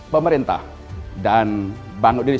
pemerintah dan bangun dirisa